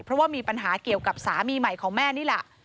เพราะว่ามีปัญหาเกี่ยวกับสามีใหม่ของแม่นี่แหละ